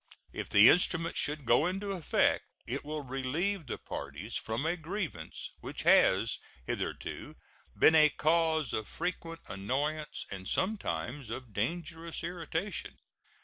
If the instrument should go into effect, it will relieve the parties from a grievance which has hitherto been a cause of frequent annoyance and sometimes of dangerous irritation.